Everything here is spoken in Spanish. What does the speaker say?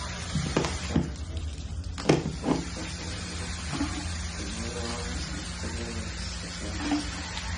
Para ello, se emplearon maquetas que el grupo tenía grabadas de anteriores sesiones.